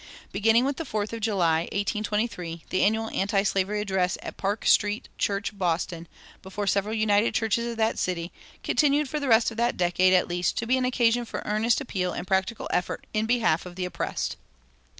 Beginning with the Fourth of July, 1823, the annual antislavery address at Park Street Church, Boston, before several united churches of that city, continued for the rest of that decade at least to be an occasion for earnest appeal and practical effort in behalf of the oppressed.